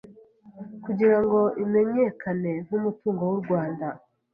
kugira ngo imenyekane nk’umutungo w’u Rwanda,